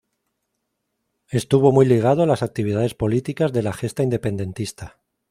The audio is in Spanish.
Estuvo muy ligado a las actividades políticas de la gesta independentista.